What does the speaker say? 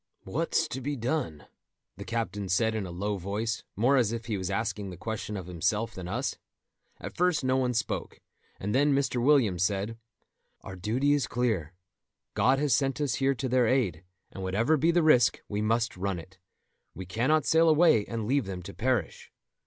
"What's to be done?" the captain said in a low voice, more as if he was asking the question of himself than us. At first no one spoke, and then Mr. Williams said: "Our duty is clear. God has sent us here to their aid, and whatever be the risk, we must run it; we cannot sail away and leave them to perish."